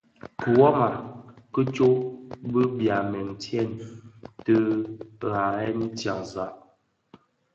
Kiwoma ki tsok bi byamèn tyèn ti dhayen tyanzag.